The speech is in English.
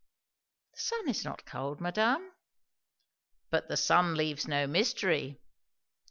"The sun is not cold, madame." "But the sun leaves no mystery."